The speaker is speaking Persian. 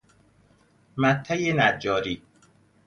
مته نجاری